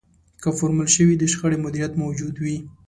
که فورمول شوی د شخړې مديريت موجود وي.